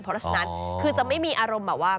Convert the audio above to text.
เพราะฉะนั้นคือจะไม่มีอารมณ์แบบว่า